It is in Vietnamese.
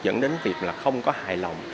dẫn đến việc là không có hài lòng